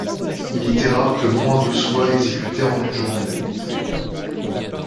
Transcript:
Il était rare que moins de soient exécutées en une journée.